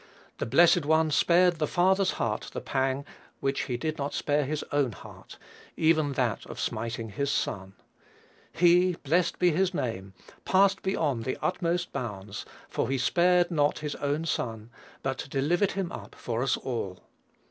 The Blessed One spared the father's heart the pang which he did not spare his own heart, even that of smiting his Son. He, blessed be his name, passed beyond the utmost bounds, for "he spared not his own Son, but delivered him up for us all."